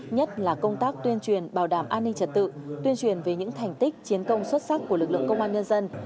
nhất là công tác tuyên truyền bảo đảm an ninh trật tự tuyên truyền về những thành tích chiến công xuất sắc của lực lượng công an nhân dân